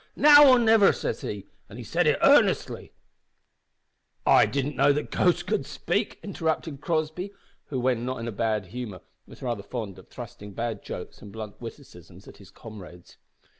now or niver!' says he, an' he said it earnestly " "I didn't know that ghosts could speak," interrupted Crossby, who, when not in a bad humour, was rather fond of thrusting bad jokes and blunt witticisms on his comrades.